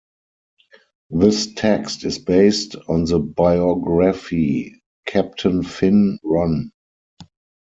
This text is based on the Biography: Captain Finn Ronne.